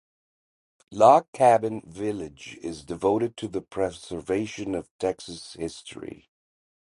Log Cabin Village is devoted to the preservation of Texas history.